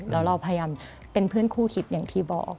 แล้วเราพยายามเป็นเพื่อนคู่คิดอย่างที่บอก